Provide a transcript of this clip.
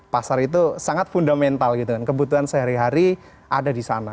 pasar itu sangat fundamental gitu kan kebutuhan sehari hari ada di sana